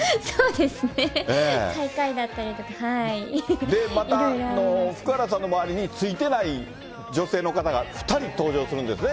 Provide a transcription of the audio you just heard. で、また福原さんの周りについてない女性の方が２人登場するんですね？